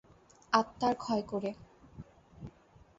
আত্মার ক্ষয় করে।